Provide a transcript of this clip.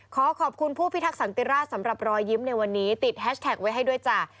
ขอขอบคุณผู้พิทักษันติราชสำหรับรอยยิ้มในวันนี้ติดแฮชแท็กไว้ให้ด้วยจ้ะ